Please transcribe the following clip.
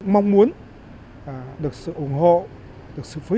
mong muốn được sự ủng hộ được sự phát triển